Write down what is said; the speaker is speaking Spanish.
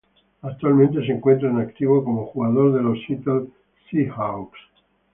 Actualmente se encuentra en activo como jugador de los Seattle Seahawks.